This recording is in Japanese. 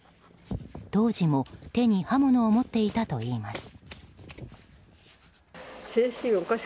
当時も手に刃物を持っていたといいます。